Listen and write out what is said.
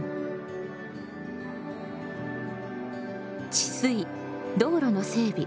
治水道路の整備